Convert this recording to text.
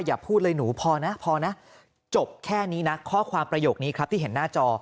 อย่าพูดเลยหนูพอนะพอนะจบแค่นี้นะข้อความประโยคนี้ครับที่เห็นหน้าจอ